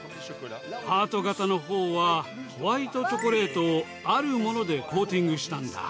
ハート形のほうはホワイトチョコレートをあるものでコーティングしたんだ。